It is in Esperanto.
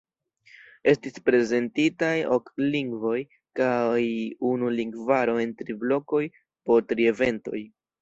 Estis prezentitaj ok lingvoj kaj unu lingvaro en tri blokoj po tri eventoj.